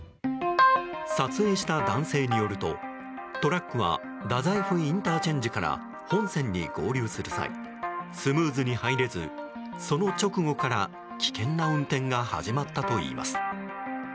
撮影した男性によるとトラックは太宰府ＩＣから本線に合流する際スムーズに入れずその直後から、危険な運転が始まったといいます。